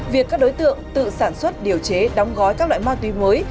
việc các đối tượng tự sản xuất điều chế đóng gói các loại ma túy mới